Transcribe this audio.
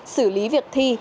xử lý việc thi